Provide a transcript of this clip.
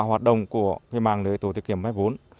hoạt động của quy mạng lưới tổ tiết kiểm vay vốn